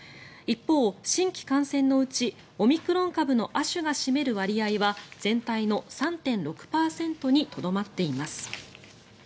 一方、新規感染のうちオミクロン株の亜種が占める割合は全体の３．６％にとどまっています。